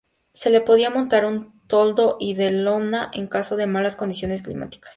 Se le podía montar un toldo de lona en caso de malas condiciones climáticas.